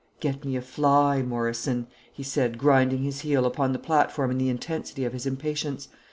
"Get me a fly, Morrison," he said, grinding his heel upon the platform in the intensity of his impatience.